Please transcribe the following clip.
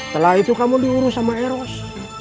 setelah itu kamu diurus sama eros